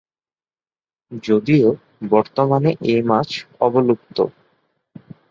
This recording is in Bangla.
যদিও বর্তমানে এই মাছ অবলুপ্ত।